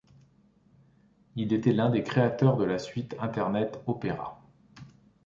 Il était l'un des créateurs de la suite internet Opera.